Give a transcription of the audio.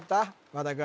和田君